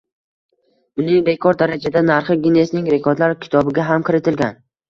Uning rekord darajadagi narxi Ginnesning rekordlar kitobiga ham kiritilgan